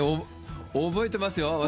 覚えていますよ。